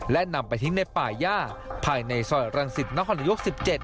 และนำไปทิ้งในป่าย่าภายในซอยรังสิตนครนายก๑๗